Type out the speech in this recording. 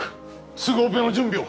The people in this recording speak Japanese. すぐオペの準備を。